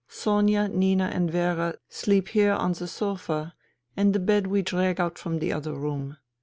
Sonia, Nina and Vera sleep here on the sofa and the bed we drag out from the other room.